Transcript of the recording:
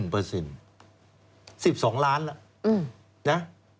๑๒ล้านละ